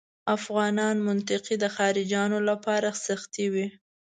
افغانانو منطقې د خارجیانو لپاره سختې وې.